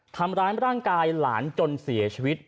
ทำร้ายร่างกายหลานจนเสียชีวิต